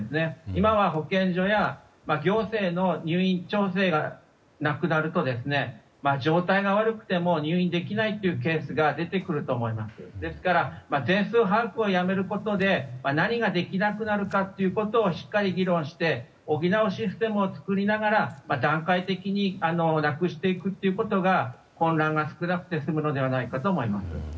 今は、保健所や行政の入院調整がなくなると状態が悪くても入院できないケースが出てくると思いますから全数把握をやめることで何ができなくなるかをしっかり議論して補うシステムを作りながら段階的になくしていくということが混乱が少なく済むのではないかと思います。